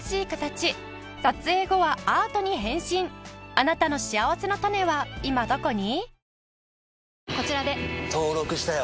あなたのしあわせのたねは今どこに？